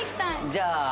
じゃあ。